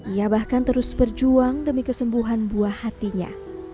ia bahkan terus berjuang demi kesembuhan buah hatinya